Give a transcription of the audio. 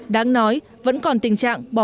đáng nói vẫn còn tình trạng bỏ cuộc sống của các cơ hội